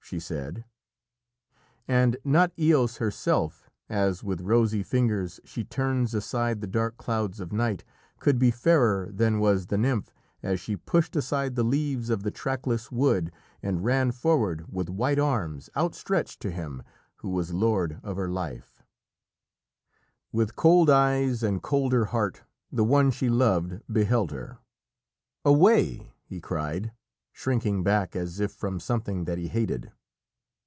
_" she said, and not Eos herself, as with rosy fingers she turns aside the dark clouds of night, could be fairer than was the nymph as she pushed aside the leaves of the trackless wood, and ran forward with white arms outstretched to him who was lord of her life. [Illustration: SHE HAUNTED HIM LIKE HIS SHADOW] With cold eyes and colder heart the one she loved beheld her. "Away!" he cried, shrinking back as if from something that he hated.